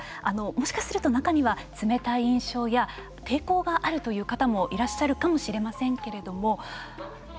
あのもしかすると中には冷たい印象や抵抗があるという方もいらっしゃるかもしれませんけれども。